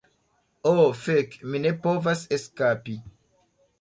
Oh fek, mi ne povas eskapi!